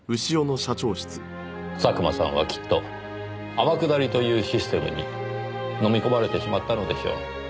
佐久間さんはきっと天下りというシステムに飲み込まれてしまったのでしょう。